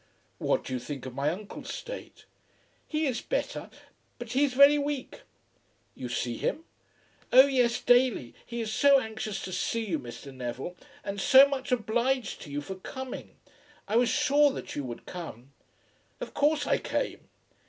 "What do you think of my uncle's state?" "He is better; but he is very weak." "You see him?" "Oh yes, daily. He is so anxious to see you, Mr. Neville, and so much obliged to you for coming. I was sure that you would come." "Of course I came."